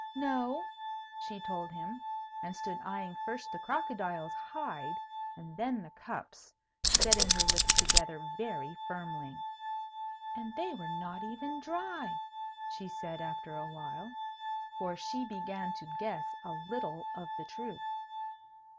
"No," she told him; and stood eyeing first the crocodile's hide and then the cups, setting her lips together very firmly. "And they were not even dry," she said after a while. For she began to guess a little of the truth.